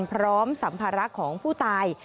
พร้อมสัมภาระของผู้ตาย